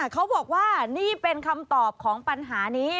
เขาบอกว่านี่เป็นคำตอบของปัญหานี้